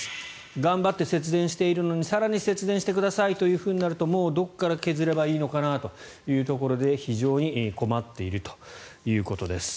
頑張って節電しているのに更に節電してくださいとなるともうどこから削ればいいのかなというところで非常に困っているということです。